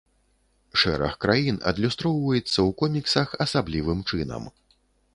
Шэраг краін адлюстроўваецца ў коміксах асаблівым чынам.